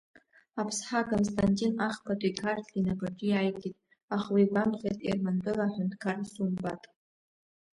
Аԥсҳа Константин Ахԥатәи Қарҭли инапаҿы иааигеит, аха уи игәамԥхеит Ермантәыла аҳәынҭқар Сумбат.